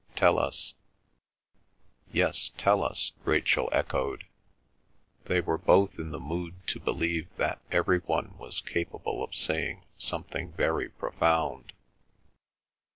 "Tell us—" "Yes, tell us—" Rachel echoed. They were both in the mood to believe that every one was capable of saying something very profound.